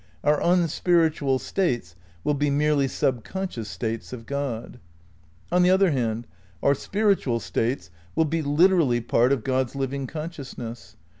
Our unspir itual states will be merely subconscious states of God. On the other hand our spiritual states will be literally part of God's living consciousness.